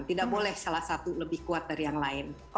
tidak boleh salah satu lebih kuat dari yang lain